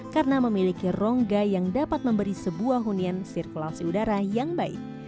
karena memiliki rongga yang dapat memberi sebuah hunian sirkulasi udara yang baik